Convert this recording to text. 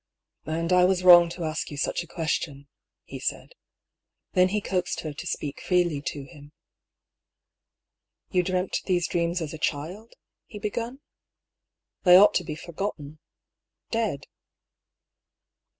" And I was wrong to ask you such a question," he said. Then he coaxed her to speak freely to him. " You dreamt these dreams as a child ?" he begun. " They ought to be forgotten — dead."